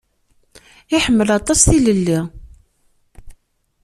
Iḥemmel aṭas tilelli.